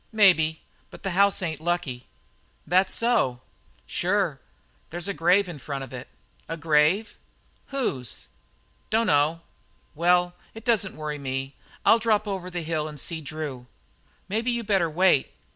"Maybe; but the house ain't lucky." "That so?" "Sure. There's a grave in front of it." "A grave? Whose?" "Dunno." "Well, it doesn't worry me. I'll drop over the hill and see Drew." "Maybe you'd better wait.